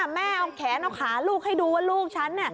แม่เอาแขนเอาขาลูกให้ดูว่าลูกฉัน